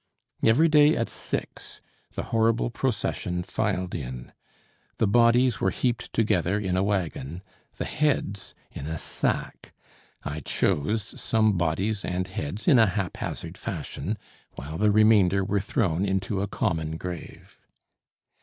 Every day at six the horrible procession filed in. The bodies were heaped together in a wagon, the heads in a sack. I chose some bodies and heads in a haphazard fashion, while the remainder were thrown into a common grave.